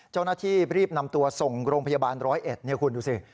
เจ้าหน้าที่รีบนำตัวส่งโรงพยาบาลร้อยเอ็ดนี่คุณดูสิ